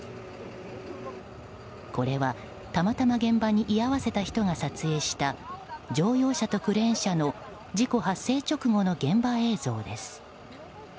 これは、たまたま現場に居合わせた人が撮影した乗用車とクレーン車の事故発生直後の現場映像です。